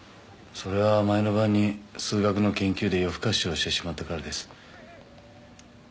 それは前の晩に数学の研究で夜更かしをしてしまったからです